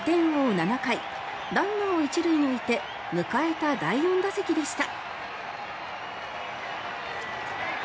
７回ランナーを１塁に置いて迎えた第４打席でした。